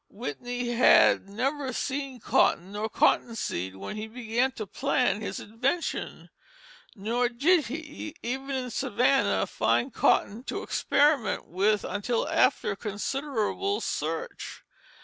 Whitney had never seen cotton nor cotton seed when he began to plan his invention; nor did he, even in Savannah, find cotton to experiment with until after considerable search.